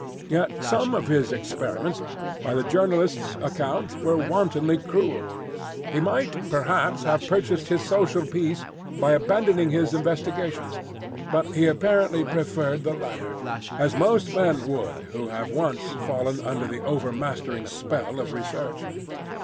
Yet some of his experiments, by the journalist's account, were wantonly cruel. He might perhaps have purchased his social peace by abandoning his investigations; but he apparently preferred the latter, as most men would who have once fallen under the overmastering spell of research.